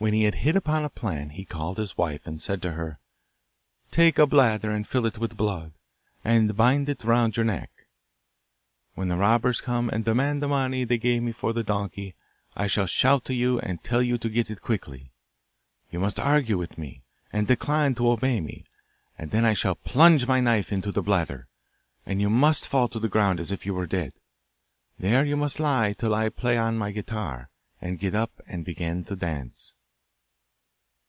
When he had hit upon a plan he called his wife, and said to her, 'Take a bladder and fill it with blood, and bind it round your neck. When the robbers come and demand the money they gave me for the donkey I shall shout to you and tell you to get it quickly. You must argue with me, and decline to obey me, and then I shall plunge my knife into the bladder, and you must fall to the ground as if you were dead. There you must lie till I play on my guitar; then get up and begin to dance.